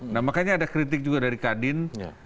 nah makanya ada kritik juga dari kadin